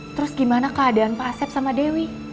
terus gimana keadaan pak asep sama dewi